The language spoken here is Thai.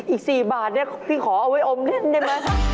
อีก๔บาทเนี่ยพี่ขอเอาไว้อมเล่นได้ไหม